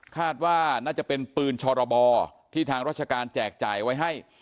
คาดว่าน่าจะเป็นปืนชรบที่ทางราชการแจกจ่ายไว้ให้